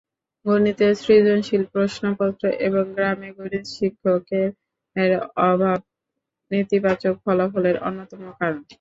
গণিতে সৃজনশীল প্রশ্নপত্র এবং গ্রামে গণিত শিক্ষকের অভাব নেতিবাচক ফলাফলের অন্যতম কারণ।